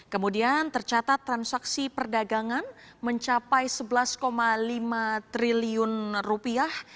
kemudian tercatat transaksi perdagangan mencapai sebelas lima triliun rupiah